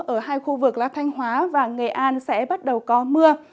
ở hai khu vực là thanh hóa và nghệ an sẽ bắt đầu có mưa